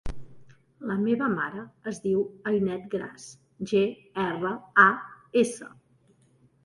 La meva mare es diu Ainet Gras: ge, erra, a, essa.